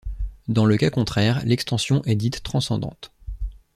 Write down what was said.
Dans le cas contraire, l'extension est dite transcendante.